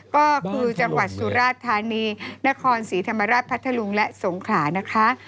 ก็คือจังหวัดสุราชธานีนครศรีธรรมราชพัทธลุงและสงขลานะคะ